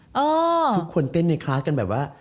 ทุกคนเต้นในคลาสกันแบบว่า